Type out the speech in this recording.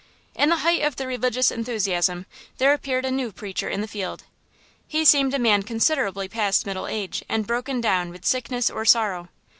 In the height of the religious enthusiasm there appeared a new preacher in the field. He seemed a man considerably past middle age and broken down with sickness or sorrow.